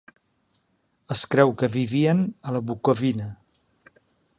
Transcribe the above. Es creu que vivien a la Bucovina.